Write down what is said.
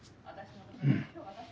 うん。